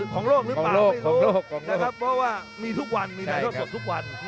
ของโลกหรือเปล่าไม่รู้นะครับเพราะว่ามีทุกวันมีถ่ายทอดสดทุกวัน